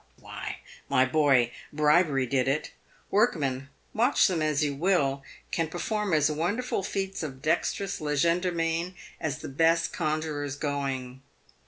Why, my boy, bribery did it. "Workmen, watch them as you will, can perform as wonderful feats of dexterous legerdemain as the best conjurors going.